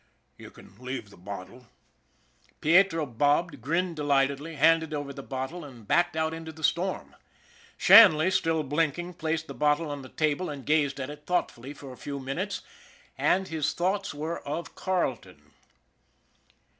You can leave the bottle." Pietro bobbed, grinned delightedly, handed over the bottle, and backed out into the storm. Shanley, still blinking, placed the bottle on the table, and gazed at it thoughtfully for a few minutes and his thoughts were of Carleton.